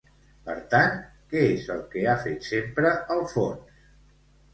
Per tant, què és el que ha fet sempre Alfons?